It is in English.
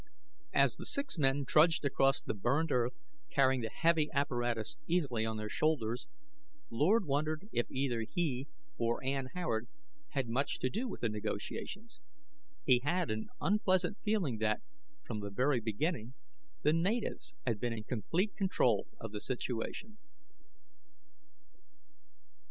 As the six men trudged across the burned earth carrying the heavy apparatus easily on their shoulders, Lord wondered if either he or Ann Howard had much to do with the negotiations. He had an unpleasant feeling that, from the very beginning, the natives had been in complete control of the situation.